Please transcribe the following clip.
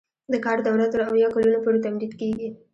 د کار دوره تر اویا کلونو پورې تمدید کیږي.